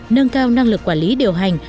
nâng cao năng lực quản lý điều hành